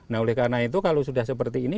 nah oleh karena itu kalau sudah seperti ini